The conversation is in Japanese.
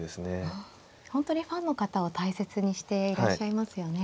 本当にファンの方を大切にしていらっしゃいますよね。